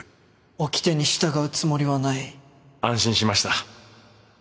おきてに従うつもりはない安心しました